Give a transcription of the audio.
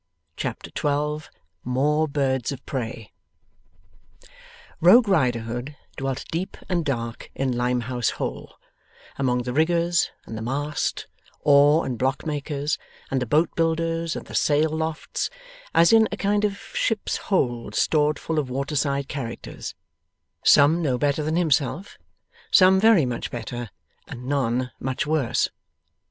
Chapter 12 MORE BIRDS OF PREY Rogue Riderhood dwelt deep and dark in Limehouse Hole, among the riggers, and the mast, oar and block makers, and the boat builders, and the sail lofts, as in a kind of ship's hold stored full of waterside characters, some no better than himself, some very much better, and none much worse.